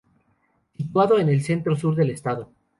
Situado en el Centro Sur del estado.